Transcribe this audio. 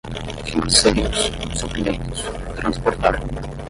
financeiros, suprimentos, transportar